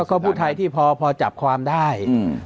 ก็พูดไทยที่พอจับความได้